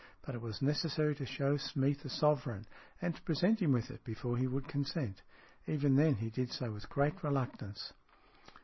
But it was necessary to show Smeath a sovereign, and to present him with it before he would consent. Even then, he did so with great reluctance.